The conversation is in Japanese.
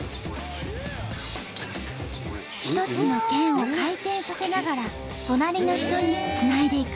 一つのけんを回転させながら隣の人につないでいく。